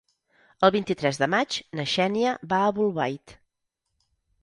El vint-i-tres de maig na Xènia va a Bolbait.